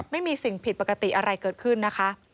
ไม่มีสิ่งผิดปกติอะไรเกิดขึ้นนะคะ